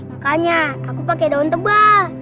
makanya aku pakai daun tebal